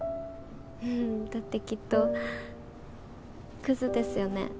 んだってきっとクズですよね？